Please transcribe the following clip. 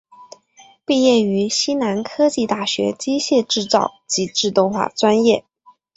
毕业于西南科技大学机械制造及自动化专业。